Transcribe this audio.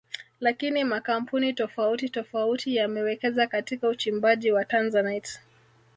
Lakini makampuni tofauti tofauti yamewekeza katika uchimbaji wa Tanzanite